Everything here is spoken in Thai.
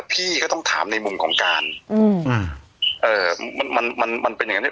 พี่ก็ต้องถามในมุมของการอืมเอ่อมันมันมันเป็นอย่างนั้น